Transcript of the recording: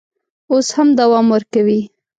اوس هم دوام ورکوي.